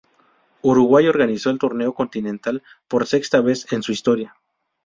Uruguay organizó el torneo continental por sexta vez en su historia.